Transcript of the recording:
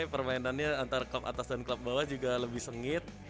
permainannya antara klub atas dan klub bawah juga lebih sengit